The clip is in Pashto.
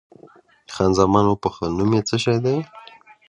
خان زمان وپوښتل، نوم یې څه شی دی؟